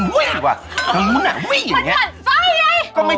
คุณเจอเงินที่ภรรยาซ่อนไว้